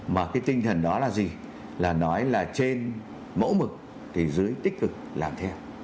mà cái tinh thần đó là gì là nói là trên mẫu mực thì dưới tích cực làm theo